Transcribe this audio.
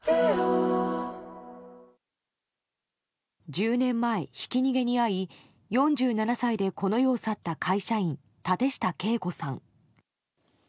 １０年前、ひき逃げに遭い４７歳でこの世を去った会社員、舘下敬子さん。